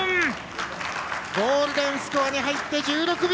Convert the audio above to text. ゴールデンスコアに入って１６秒。